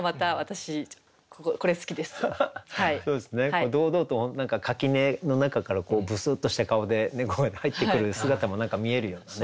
これ堂々と垣根の中からぶすっとした顔で猫が入ってくる姿も何か見えるようなね。